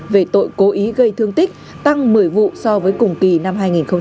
về tội cố ý gây thương tích tăng một mươi vụ so với cùng kỳ năm hai nghìn một mươi chín